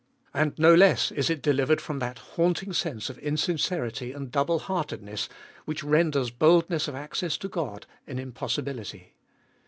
And no less is it delivered from that haunting sense of insincerity and double heartedness, which renders boldness of access to God an impossibility.